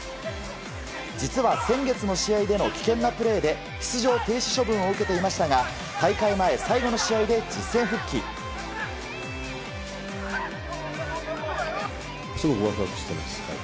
実は先月の試合での危険なプレーで出場停止処分を受けていましたが、すごくわくわくしてます。